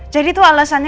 jadi tuh alasannya